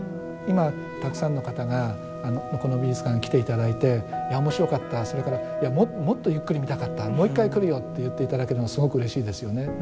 今たくさんの方がこの美術館に来て頂いていや面白かったそれからもっとゆっくり見たかったもう一回来るよって言って頂けるのすごくうれしいですよね。